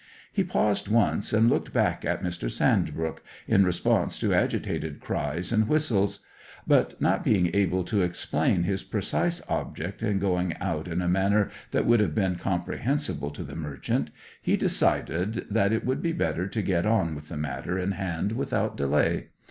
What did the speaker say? He paused once, and looked back at Mr. Sandbrook, in response to agitated cries and whistles; but, not being able to explain his precise object in going out in a manner that would have been comprehensible to the merchant, he decided that it would be better to get on with the matter in hand without delay.